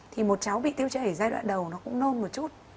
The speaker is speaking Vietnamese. thì một cháu bị tiêu chảy ở giai đoạn đầu nó cũng nôn một chút